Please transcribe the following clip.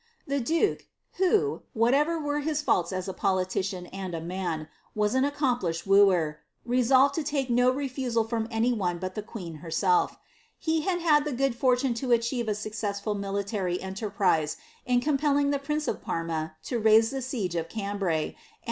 The duke, who, whatever were his faults as a politician and a man, was an accomplished wooer, resolved to take no refusal from any one but the queen herself fie had had the good fortune to achieve a suc cessfid mditary enterprise in compelling the prince of Parma to raise tbe siege of Cambray, and.